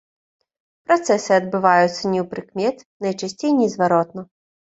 Працэсы адбываюцца неўпрыкмет, найчасцей незваротна.